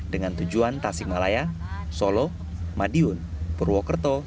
dengan tujuan tasik malaya solo madiun purwokerto